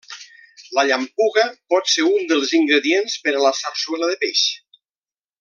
La llampuga pot ser un dels ingredients de la sarsuela de peix.